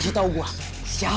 tantangan buat dia